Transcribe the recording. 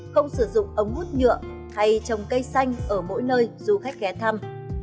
không sử dụng ống hút nhựa hay trồng cây xanh ở mỗi nơi du khách ghé thăm